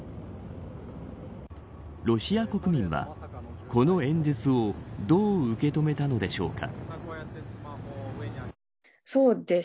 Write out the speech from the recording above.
ロシア国民はこの演説をどう受け止めたのでしょうか。